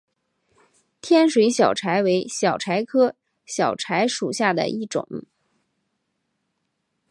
天水小檗为小檗科小檗属下的一个种。